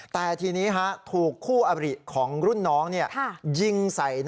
แต่ทีนี้ถูกคู่อบริของรุ่นน้องยิงใส่